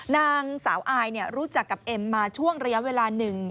นางสาวอายรู้จักกับเอ็มมาช่วงระยะเวลาหนึ่ง